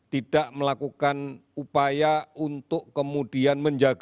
tidak melakukan upaya untuk kemudian menjaga